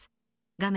画面